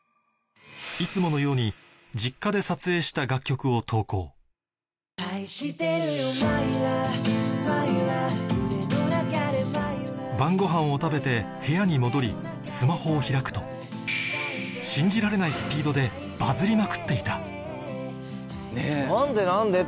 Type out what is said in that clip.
腕の中で晩ごはんを食べて部屋に戻りスマホを開くと信じられないスピードでバズりまくっていた何で？